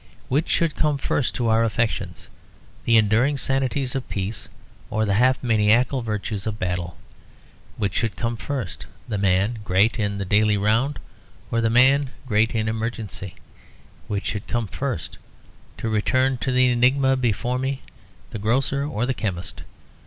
Which should come first to our affections, the enduring sanities of peace or the half maniacal virtues of battle? Which should come first, the man great in the daily round or the man great in emergency? Which should come first, to return to the enigma before me, the grocer or the chemist?